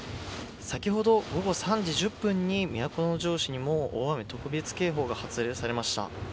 先ほど午後３時１０分に都城市にも大雨特別警報が発令されました。